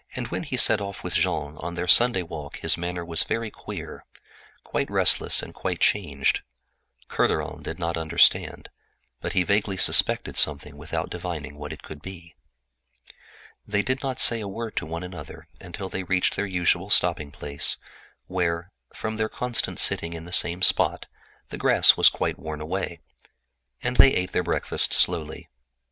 When he set off with Jean on their Sunday walk his manner was very queer, quite restless, and quite changed. Kerderen did not understand, but he vaguely suspected something without divining what it could be. They did not say a word to one another until they reached their usual halting place, where, from their constant sitting in the same spot the grass was quite worn away. They ate their breakfast slowly.